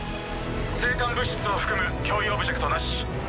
星間物質を含む脅威オブジェクトなし。